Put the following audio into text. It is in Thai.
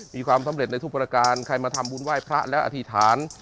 มีความสำเร็จในทุกประการใครมาทำบุญไหว้พระและอธิษฐาน